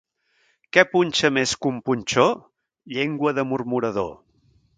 Què punxa més que un punxó? Llengua de murmurador.